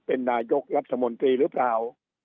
เป็นนายกรัฐมนตรีหรือเปล่า